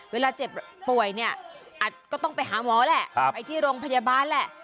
เวลาเจ็บป่วยเนี่ยอาจก็ต้องไปหาหมอแหละไปที่โรงพยาบาลแหละ